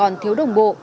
nếu đồng bộ